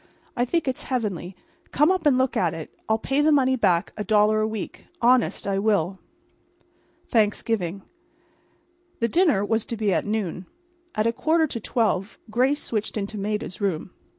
I think it's heavenly. Come up and look at it. I'll pay the money back, a dollar a week—honest I will." Thanksgiving. The dinner was to be at noon. At a quarter to twelve Grace switched into Maida's room.